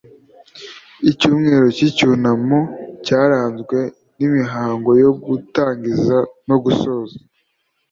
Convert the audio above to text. icyumweru cy icyunamo cyaranzwe n imihango yo gutangiza no gusoza